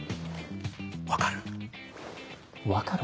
分かる？